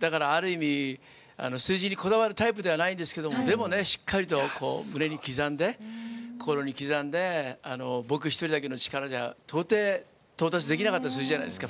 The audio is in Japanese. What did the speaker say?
だから、ある意味数字にこだわるタイプではないんですけれどもでも、しっかりと胸に刻んで、心に刻んで僕１人だけの力じゃ到底到達できなかった数字じゃないですか。